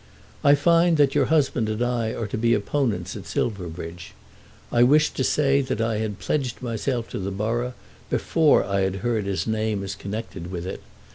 I find that your husband and I are to be opponents at Silverbridge. I wish to say that I had pledged myself to the borough before I had heard his name as connected with it.